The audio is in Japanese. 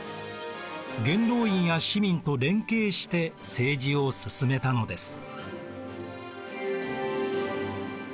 元老院や市民と連携して政治を進めたのです。